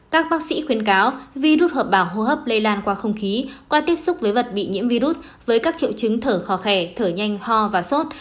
các bác sĩ khuyến cáo virus hợp bào hô hấp lây lan qua không khí qua tiếp xúc với vật bị nhiễm virus với các triệu chứng thở khó khẻ thở nhanh ho và sốt